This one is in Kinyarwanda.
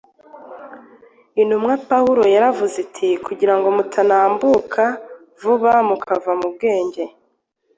Intumwa Pawulo yaravuze ati, ” Kugira ngo mutanambuka vuba mukava mu bwenge,